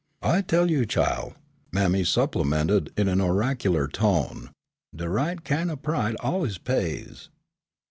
"I tell you, chile," mammy supplemented in an oracular tone, "de right kin' o' pride allus pays."